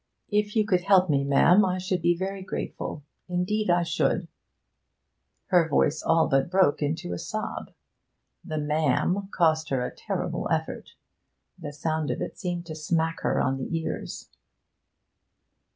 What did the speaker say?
'If you could help me, ma'am, I should be very grateful indeed I should ' Her voice all but broke into a sob. That 'ma'am' cost her a terrible effort; the sound of it seemed to smack her on the ears.